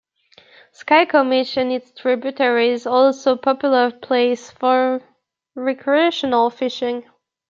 Skykomish and its tributaries also popular place for recreational fishing.